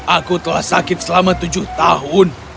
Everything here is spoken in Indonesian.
aku telah sakit selama tujuh tahun